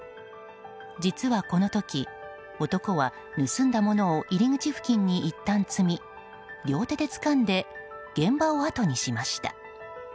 実は、この時男は盗んだものを入り口付近にいったん積み両手でつかんで現場をあとにしました。